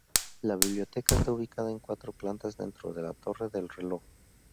La biblioteca está ubicada en cuatro plantas dentro de la Torre del Reloj.